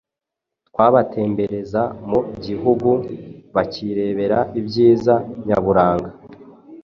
Twabatembereza mu gihugu bakirebera ibyiza nyaburanga.